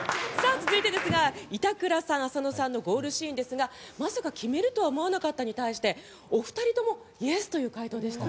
続いてですが板倉さん、浅野さんのゴールシーンですがまさか決めるとは思わなかったに対してお二人ともＹＥＳという回答でした。